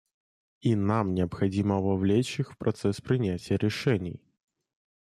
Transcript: И нам необходимо вовлечь их в процесс принятия решений.